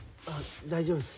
大丈夫です。